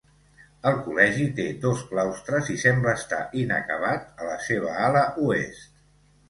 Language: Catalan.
El col·legi té dos claustres i sembla estar inacabat a la seva ala oest.